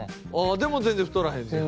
でも全然太らへんねや。